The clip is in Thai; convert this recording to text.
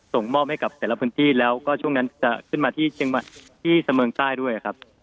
ส่งมอบให้กับแต่ละพื้นที่แล้วก็ช่วงนั้นจะขึ้นมาที่เสมิงใต้ด้วยครับ